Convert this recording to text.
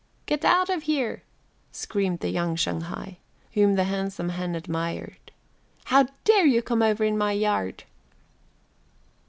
"Get out of here," screamed the young Shanghai, whom the handsome hen admired, "How dare you come over in my yard?"